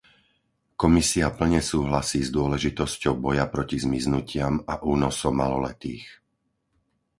Komisia plne súhlasí s dôležitosťou boja proti zmiznutiam a únosom maloletých.